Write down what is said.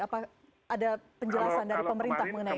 apa ada penjelasan dari pemerintah mengenai ini